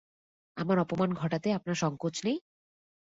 আমার অপমান ঘটাতে আপনার সংকোচ নেই?